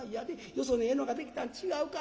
よそにええのがでけたん違うか？』